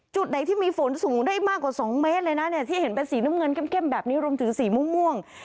จุดไหนที่มีฝนสูงได้มากกว่า๒เมตรเลยนะเนี่ยที่เห็นเป็นสีน้ำเงินเข้มแบบนี้รวมถึงสีม่วง